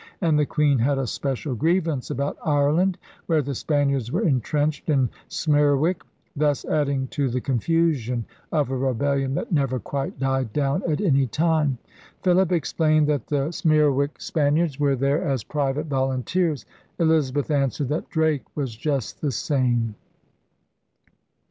And the Queen had a special grievance about Ireland, where the Spaniards were entrenched in Smerwick, thus adding to the confusion of a rebellion that never quite died down at any time. Philip explained that the Smerwick Spaniards were there as private volun teers. Elizabeth answered that Drake was just the same.